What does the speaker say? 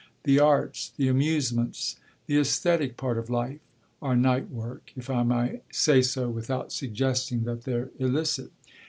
The arts, the amusements, the esthetic part of life, are night work, if I may say so without suggesting that they're illicit.